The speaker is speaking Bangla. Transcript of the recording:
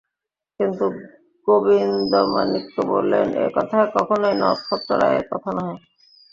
কিন্তু গোবিন্দমাণিক্য বলিলেন, এ কথা কখনোই নক্ষত্ররায়ের কথা নহে।